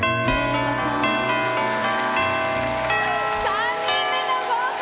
３人目の合格！